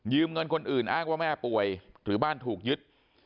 เงินคนอื่นอ้างว่าแม่ป่วยหรือบ้านถูกยึด